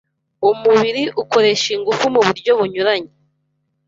umubiri ukoresha ingufu mu buryo bunyuranye.